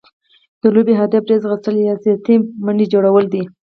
د لوبي هدف ډېر ځغستل يا زیاتي منډي جوړول دي.